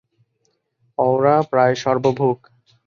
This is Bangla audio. অওরা প্রায় সর্বভুক।